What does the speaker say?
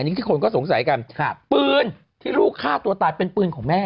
อันนี้ที่คนก็สงสัยกันปืนที่ลูกฆ่าตัวตายเป็นปืนของแม่